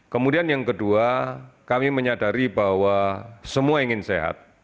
kemudian yang kedua kami menyadari bahwa semua ingin sehat